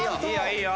いいよ！